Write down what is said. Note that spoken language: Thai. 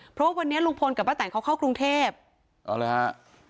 เพราะวันนี้ลุงพลกับป้าแตนเขาเข้ากรุงเทพเอาเลยฮะ